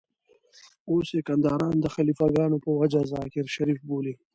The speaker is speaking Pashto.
اوس يې کنداريان د خليفه ګانو په وجه ذاکر شريف بولي.